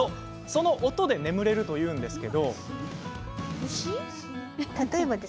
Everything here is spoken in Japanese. その音で眠れるというんですが。